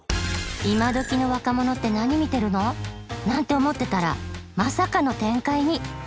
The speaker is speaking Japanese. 「今どきの若者って何見てるの？」なんて思ってたらまさかの展開に！